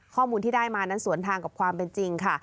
ข้อมูลที่ได้มานั้นสวนทางกับความเป็นจริงค่ะ